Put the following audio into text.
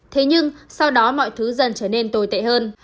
thế nhưng sau đó mọi thứ dần trở nên tồi tệ hơn